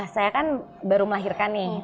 saya kan baru melahirkan nih